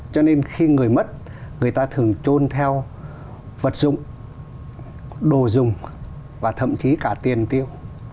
cho nên khi người mất người ta thường trôn theo vật dụng đồ dùng và thậm chí cả tiền tiêu